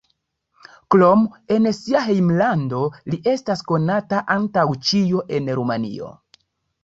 Krom en sia hejmlando li estas konata antaŭ ĉio en Rumanio.